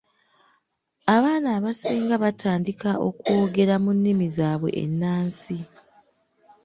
Abaana abasinga batandika okwogera mu nnimi zaabwe ennansi.